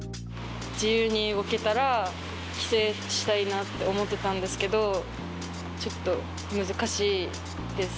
自由に動けたら、帰省したいなって思ってたんですけど、ちょっと難しいです。